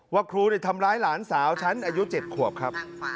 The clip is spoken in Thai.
ว่าครูทำร้ายหลานสาวฉันอายุ๗ขวบครับ